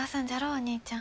お兄ちゃん。